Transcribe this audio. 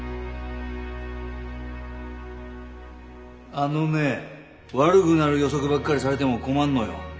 あのね悪ぐなる予測ばっかりされでも困んのよ。